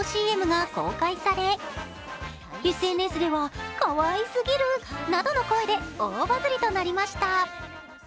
ＣＭが公開され、ＳＮＳではかわいすぎるなどの声で大バズりとなりました。